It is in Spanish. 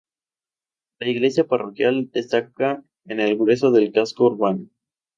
La Iglesia Parroquial, destaca en el grueso del casco urbano.